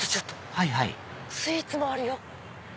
はいはいスイーツもあるよ。